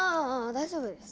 大丈夫です。